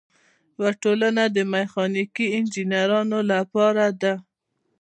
یوه ټولنه د میخانیکي انجینرانو لپاره ده.